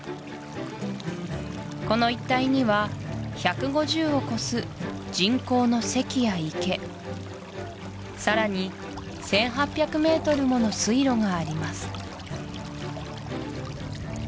この一帯には１５０を超す人工の堰や池さらに１８００メートルもの水路があります